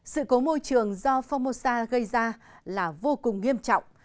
sự cố môi trường do phongmosa gây ra là vô cùng nghiêm trọng